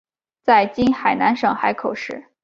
在今海南省海口市。